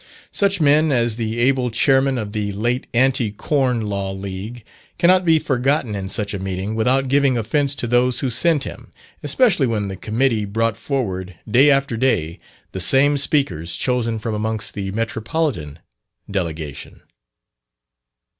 Such men as the able Chairman of the late Anti Corn Law League, cannot be forgotten in such a meeting, without giving offence to those who sent him, especially when the Committee brought forward, day after day, the same speakers, chosen from amongst the metropolitan delegation.